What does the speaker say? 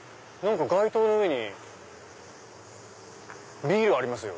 街灯の上にビールありますよ。